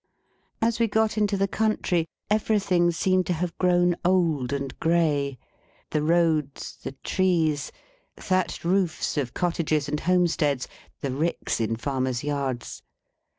As we got into the country, everything seemed to have grown old and gray. The roads, the trees, thatched roofs of cottages and homesteads, the ricks in farmers' yards.